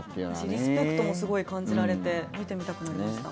リスペクトもすごい感じられて見てみたくなりました。